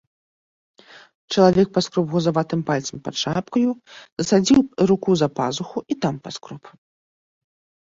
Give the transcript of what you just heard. Чалавек паскроб гузаватым пальцам пад шапкаю, засадзіў руку за пазуху і там паскроб.